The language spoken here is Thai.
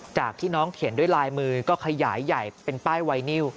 จากที่น้องเขียนด้วยลายมือก็ขยายใหญ่เป็นป้ายไวนิว